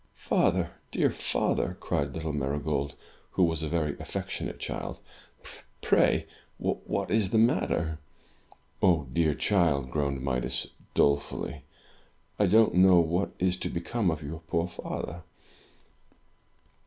"Father, dear father!" cried Uttle Marygold, who was a very affectionate child, "pray what is the matter?" "Ah, dear child," groaned Midas, dolefully, "I don't know what is to become of your poor father!"